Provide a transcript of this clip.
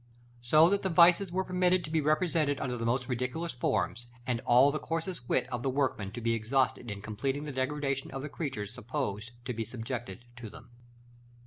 So that the vices were permitted to be represented under the most ridiculous forms, and all the coarsest wit of the workman to be exhausted in completing the degradation of the creatures supposed to be subjected to them.